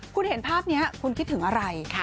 คุณเห็นภาพนี้คุณคิดถึงอะไร